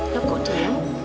lo kok diam